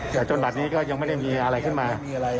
แต่จนบัตรนี้ก็ยังไม่ได้มีอะไรขึ้นมา